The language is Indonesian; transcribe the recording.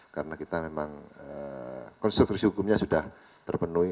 karena kita memang konstitusi hukumnya sudah terpenuhi